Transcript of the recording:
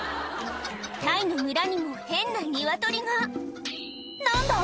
タイの村にも変なニワトリが何だ？